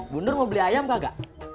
bu nur mau beli ayam gak